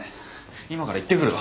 今から行ってくるわ。